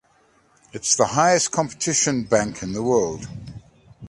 It is the highest competition bank in the world.